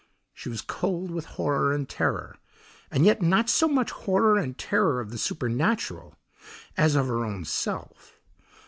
She was cold with horror and terror, and yet not so much horror and terror of the supernatural as of her own self.